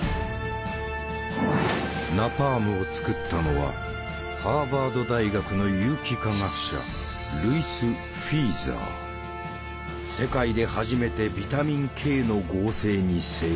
ナパームを作ったのはハーバード大学の世界で初めてビタミンＫの合成に成功。